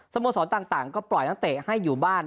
สมสอนต่างก็ปล่อยตั้งแต่ให้อยู่บ้าน